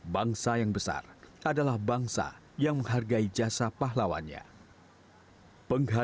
bangsa yang besar adalah bangsa yang menghargai jasa pahlawannya